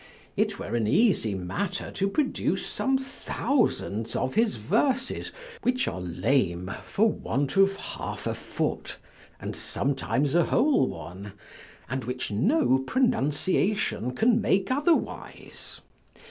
It were an easy matter to produce some thousands of his verses, which are lame for want of half a foot, and sometimes a whole one, and which no pronunciation can make otherwise.